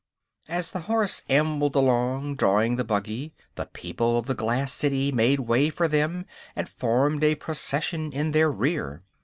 As the horse ambled along, drawing the buggy, the people of the glass city made way for them and formed a procession in their rear.